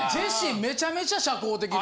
めちゃめちゃ社交的で。